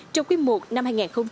trong quy mục năm hai nghìn hai mươi ba